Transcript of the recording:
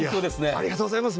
ありがとうございます。